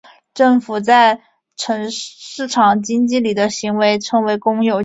政府在市场经济里的行为称为公有经济活动。